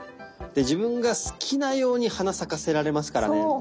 で自分が好きなように花咲かせられますからね。